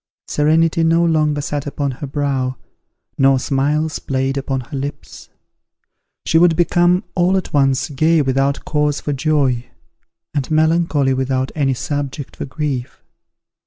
Serenity no longer sat upon her brow, nor smiles played upon her lips. She would become all at once gay without cause for joy, and melancholy without any subject for grief.